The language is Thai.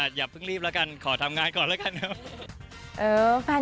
เอ่อฟันคลับเขาก็น่ารักนะ